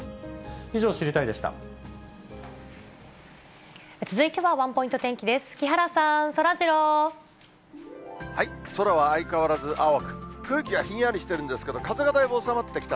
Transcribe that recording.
以上、知りたいッ！でした。